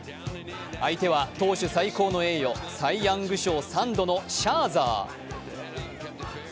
相手は投手最高の栄誉サイ・ヤング賞、３度のシャーザー。